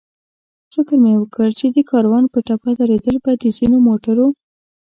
فکر مې وکړ چې د کاروان په ټپه درېدل به د ځینو موټرو.